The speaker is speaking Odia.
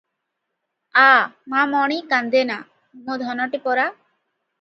"ଆ, ମା ମଣି- କାନ୍ଦେନା- ମୋ ଧନଟିପରା ।